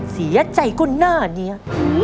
เสียใจก็หน้านี้